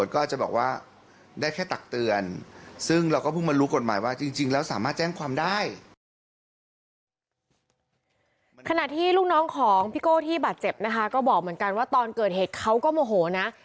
ก็บอกเหมือนกันว่าตอนเกิดเหตุเขาก็โมโหนะ